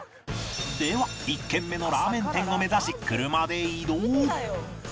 では１軒目のラーメン店を目指し車で移動